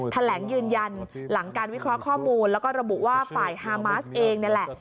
แถลงยืนยันหลังการวิเคราะห์ข้อมูลแล้วก็ระบุว่าฝ่ายฮามาสเองนี่แหละ